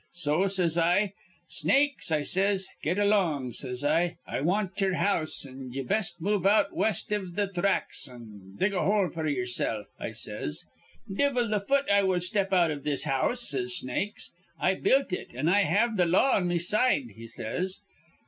So says I: 'Snakes,' I says, 'get along,' says I. 'I want ye'er house, an' ye best move out west iv th' thracks, an' dig a hole f'r ye'ersilf,' I says. 'Divvle th' fut I will step out iv this house,' says Snakes. 'I built it, an' I have th' law on me side,' he says.